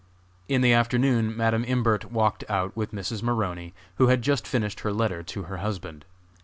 In the afternoon Madam Imbert walked out with Mrs. Maroney, who had just finished her letter to her husband.